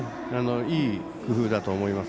いい工夫だと思います。